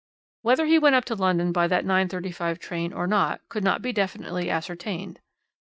Whether he went up to London by that 9.35 train or not could not be definitely ascertained.